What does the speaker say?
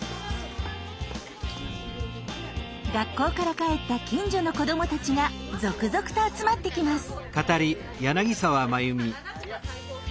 学校から帰った近所の子どもたちが続々と集まってきます。